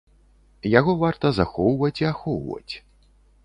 Яго варта захоўваць і ахоўваць.